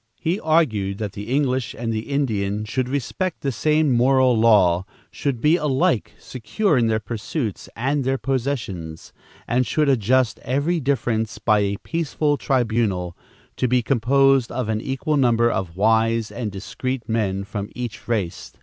He argued that the English and the Indian should respect the same moral law, should be alike secure in their pursuits and their possessions, and should adjust every difference by a peaceful tribunal, to be composed of an equal number of wise and discreet men from each race.